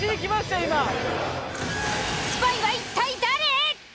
スパイは一体誰！？